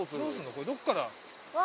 これどっから。